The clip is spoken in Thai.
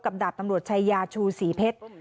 ดาบตำรวจชายาชูศรีเพชร